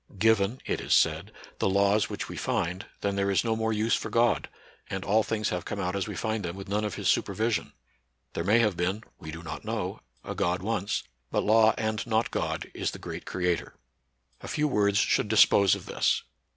"Given [it is said] the laws which we find, then there is no more use for God, and all things have come out as we find them with none of his supervision. There may have been — we do not know — a God once ; but law and not God, is the great Creator." A few words should dispose of this.